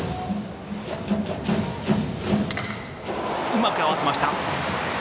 うまく合わせた。